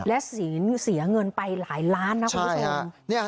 และศีลเสียเงินไปหลายล้านนะคุณผู้ชม